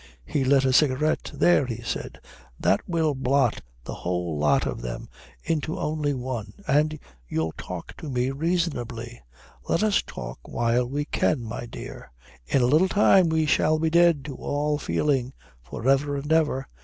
He lit a cigarette. "There," he said, "that will blot the whole lot of them into only one, and you'll talk to me reasonably. Let us talk while we can, my dear. In a little time we shall be dead to all feeling for ever and ever."